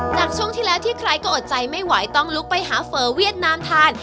จากช่วงที่แล้วที่ใครก็อดใจไม่ไหวต้องลุกไปหาเฝอเวียดนามทาน